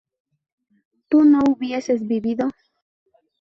¿tú no hubieses vivido?